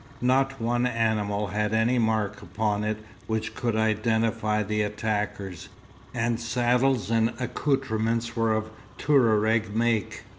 Not one animal had any mark upon it which could identify the attackers, and saddles and accoutrements were of Touareg make.